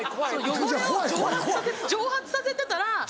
汚れを蒸発させてたら。